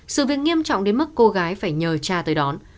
sự việc nghiêm trọng đến mức cô gái phải nhờ cha tới đón